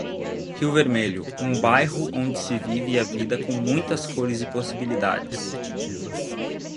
Rio Vermelho, um bairro onde se vive a vida com muitas cores e possibilidades.